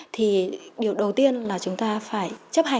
thì điều đầu tiên là chúng ta phải đảm bảo những cái điều kiện